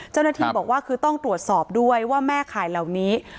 เจ้าหน้าที่บอกว่าคือต้องตรวจสอบด้วยว่าแม่ขายเหล่านี้